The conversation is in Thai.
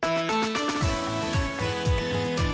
ปืนสันชือหาภาษาการดูแล